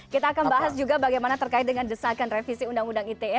kita akan bahas juga bagaimana terkait dengan desakan revisi undang undang ite